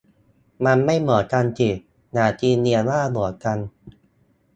มันไม่เหมือนกันสิ อย่าตีเนียนว่าเหมือนกัน